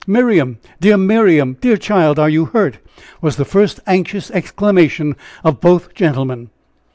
"Miriam! dear Miriam! dear child, are you hurt?" was the first anxious exclamation of both gentlemen.